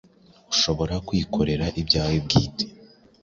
ushobora kwikorera ibyawe bwite